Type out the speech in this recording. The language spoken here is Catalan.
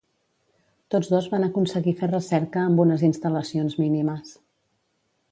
Tots dos van aconseguir fer recerca amb unes instal·lacions mínimes.